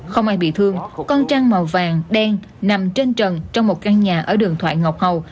không ai bị thương con trang màu vàng đen nằm trên trần trong một căn nhà ở đường thoại ngọc hầu